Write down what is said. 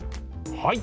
はい。